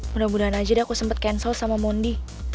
mudah mudahan aja deh aku sempat cancel sama mondi